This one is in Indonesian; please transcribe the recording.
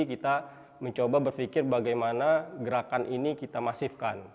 kita mencoba berpikir bagaimana gerakan ini kita masifkan